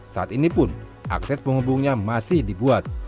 saat ini pun akses penghubungnya masih dibuat